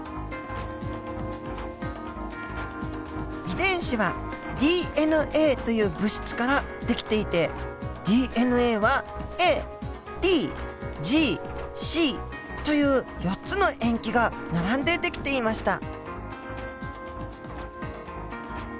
遺伝子はＤＮＡという物質から出来ていてＤＮＡはＡＴＧＣという４つの塩基が並んで出来ていました。